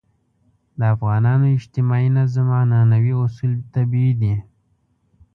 د افغانانو اجتماعي نظم عنعنوي اصول طبیعي دي.